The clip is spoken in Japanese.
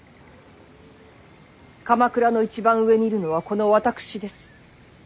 鎌倉の一番上にいるのはこの私です。